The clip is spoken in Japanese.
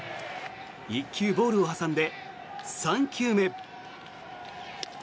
１球、ボールを挟んで３球目。